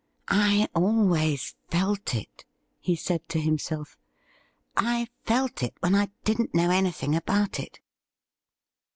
' I always felt it,' he said to himself. ' I felt it when I didn't know anything about it.'